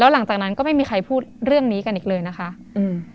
หลังจากนั้นก็ไม่มีใครพูดเรื่องนี้กันอีกเลยนะคะอืม